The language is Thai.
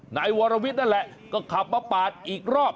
นายวรวิทย์นั่นแหละก็ขับมาปาดอีกรอบ